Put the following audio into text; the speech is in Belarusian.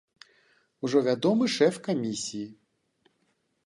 Ужо вядомы шэф камісіі.